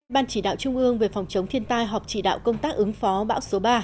ban chỉ đạo trung ương về phòng chống thiên tai họp chỉ đạo công tác ứng phó bão số ba